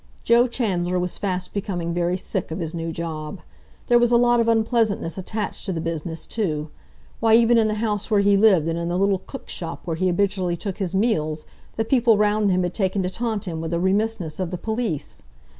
Joe Chandler was fast becoming very sick of his new job. There was a lot of unpleasantness attached to the business, too. Why, even in the house where he lived, and in the little cook shop where he habitually took his meals, the people round him had taken to taunt him with the remissness of the police.